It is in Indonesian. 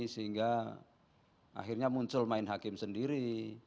sehingga akhirnya muncul main hakim sendiri